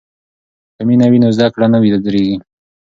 که مینه وي نو زده کړه نه ودریږي.